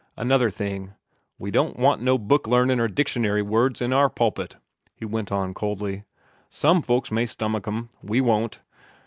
"Another thing: We don't want no book learnin' or dictionary words in our pulpit," he went on coldly. "Some folks may stomach 'em; we won't.